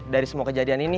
dari semua kejadian ini